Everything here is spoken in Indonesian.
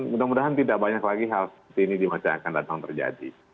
mudah mudahan tidak banyak lagi hal seperti ini dimaksudkan datang terjadi